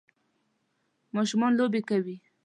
ماشومان لوبې کوي